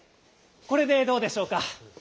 これでどうでしょうか？